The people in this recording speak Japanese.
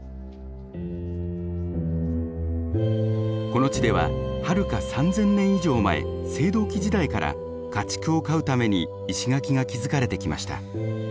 この地でははるか３，０００年以上前青銅器時代から家畜を飼うために石垣が築かれてきました。